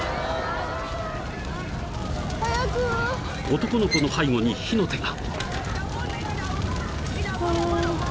［男の子の背後に火の手が］